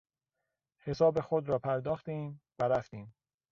حساب خود را پرداختیم و رفتیم.